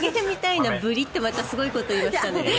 ブリッとまたすごいこと言いましたね。